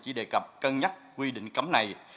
chỉ đề cập cân nhắc quy định cấm này